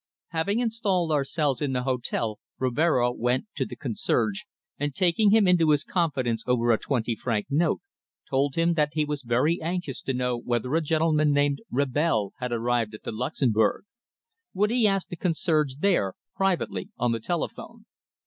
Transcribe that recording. Having installed ourselves in the hotel, Rivero went to the concierge, and taking him into his confidence over a twenty franc note, told him that he was very anxious to know whether a gentleman named Rabel had arrived at the Luxembourg. Would he ask the concierge there privately on the telephone?